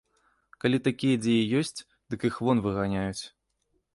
Калі такія дзе і ёсць, дык іх вон выганяюць.